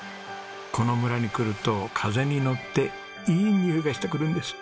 この村に来ると風に乗っていいにおいがしてくるんです。